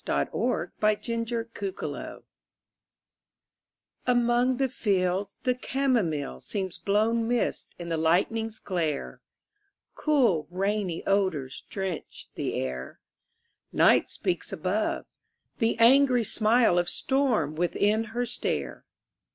THE WINDOW ON THE HILL Among the fields the camomile Seems blown mist in the lightning's glare: Cool, rainy odors drench the air; Night speaks above; the angry smile Of storm within her stare.